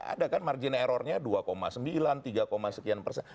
ada kan margin errornya dua sembilan tiga sekian persen